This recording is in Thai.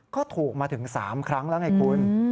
ก็ถูกมาถึง๓ครั้งแล้วไงคุณ